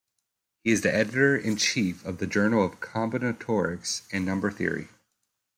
He is the Editor-in-Chief of the Journal of Combinatorics and Number Theory.